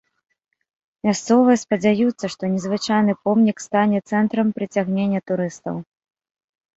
Мясцовыя спадзяюцца, што незвычайны помнік стане цэнтрам прыцягнення турыстаў.